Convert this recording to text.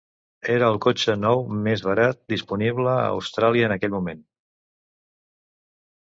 Era el cotxe nou més barat disponible a Austràlia en aquell moment.